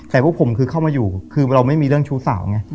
แต่พวกผมคือเข้ามาอยู่คือเราไม่มีเรื่องชู้สาวไง